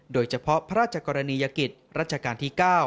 โดยเฉพาะพระราชกรณียกิจรัชกาลที่๙